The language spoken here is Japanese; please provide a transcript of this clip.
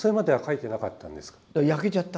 焼けちゃったから。